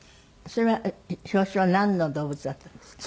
それは表紙はなんの動物だったんですか？